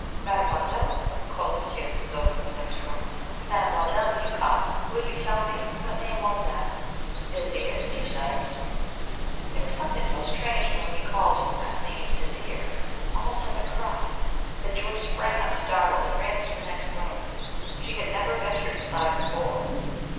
"Mademoiselle," called Monsieur Ciseaux from the next room, "mademoiselle, will you come will you tell me what name was that? Désiré, did you say?" There was something so strange in the way he called that name Désiré, almost like a cry, that Joyce sprang up, startled, and ran into the next room. She had never ventured inside before.